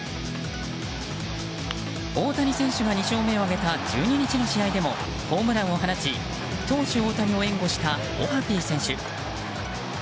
大谷選手が２勝目を挙げた１２日の試合でもホームランを放ち、投手・大谷を援護したオハピー選手。